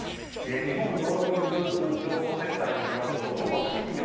日本道路交通情報センターによりますと午後８時４０分